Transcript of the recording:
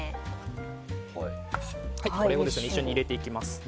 これを一緒に入れていきます。